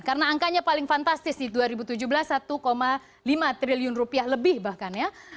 karena angkanya paling fantastis di dua ribu tujuh belas satu lima triliun rupiah lebih bahkan ya